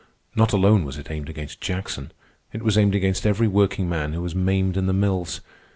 Not alone was it aimed against Jackson. It was aimed against every workingman who was maimed in the mills.